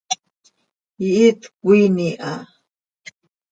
Ihít cöquiin iha.